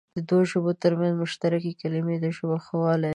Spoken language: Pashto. د دوو ژبو تر منځ مشترکې کلمې د ژبو ښهوالی دئ.